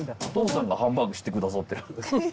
お父さんがハンバーグ知ってくださってる。